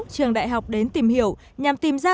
trường đại học đến tìm hiểu nhằm tìm ra